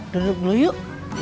duduk dulu yuk